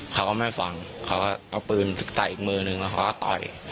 เขาก็ไม่ฟังเขาก็เอาปืนใส่อีกมือนึงแล้วเขาก็ต่อย